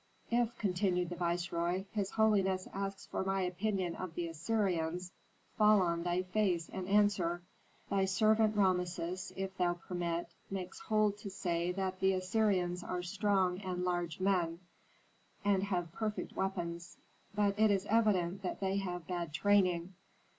"If," continued the viceroy, "his holiness asks for my opinion of the Assyrians, fall on thy face and answer, "'Thy servant Rameses, if thou permit, makes bold to say that the Assyrians are strong and large men, and have perfect weapons; but it is evident that they have bad training.